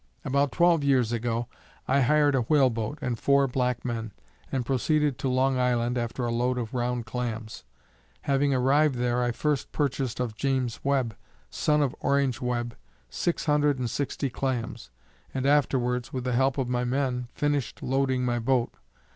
About twelve years ago, I hired a whale boat and four black men, and proceeded to Long Island after a load of round clams. Having arrived there, I first purchased of James Webb, son of Orange Webb, six hundred and sixty clams, and afterwards, with the help of my men, finished loading my boat.